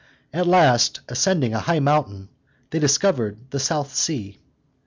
At last, ascending a high mountain, they discovered the South Sea.